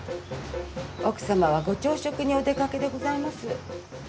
奥様はご朝食にお出かけでございます。